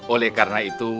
oleh karena itu